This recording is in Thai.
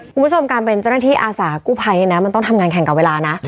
คุณผู้ชมการเป็นเจ้าหน้าที่อาสากู้ภัยเนี่ยนะมันต้องทำงานแข่งกับเวลานะ